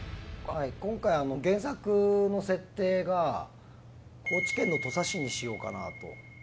今回は原作の設定が高知県の土佐市にしようかなと。